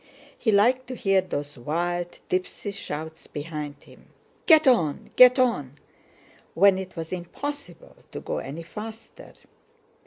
He liked to hear those wild, tipsy shouts behind him: "Get on! Get on!" when it was impossible to go any faster.